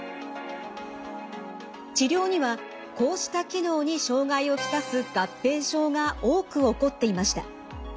治療にはこうした機能に障害を来す合併症が多く起こっていました。